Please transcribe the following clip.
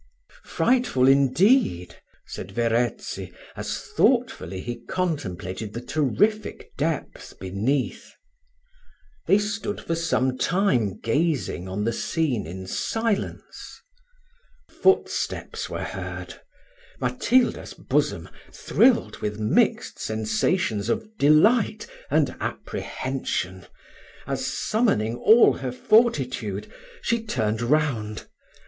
"Frightful indeed," said Verezzi, as thoughtfully he contemplated the terrific depth beneath. They stood for some time gazing on the scene in silence. Footsteps were heard Matilda's bosom thrilled with mixed sensations of delight and apprehension, as, summoning all her fortitude, she turned round.